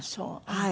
はい。